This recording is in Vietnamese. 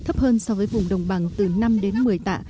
thấp hơn so với vùng đồng bằng từ năm đến một mươi tạ